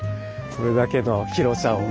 これだけの広さを。